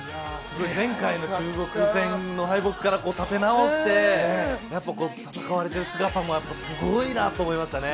前回の中国戦の敗北から立て直して戦われている姿も本当にすごいなと思いましたね。